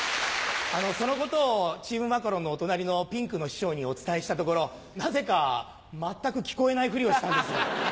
そのことをチームマカロンのお隣のピンクの師匠にお伝えしたところなぜか全く聞こえないふりをしたんです。